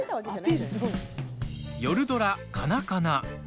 夜ドラ「カナカナ」。